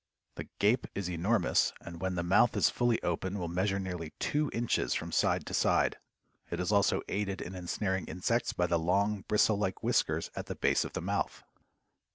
The gape is enormous, and when the mouth is fully open, will measure nearly two inches from side to side. It is also aided in ensnaring insects by the long, bristle like whiskers at the base of the mouth.